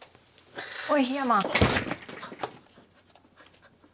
おい檜山。